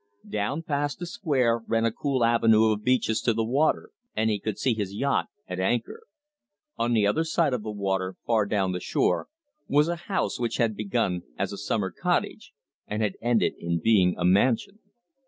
Down past the square ran a cool avenue of beeches to the water, and he could see his yacht at anchor. On the other side of the water, far down the shore, was a house which had been begun as a summer cottage, and had ended in being a mansion.